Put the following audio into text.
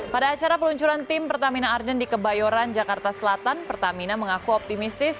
pada acara peluncuran tim pertamina argen di kebayoran jakarta selatan pertamina mengaku optimistis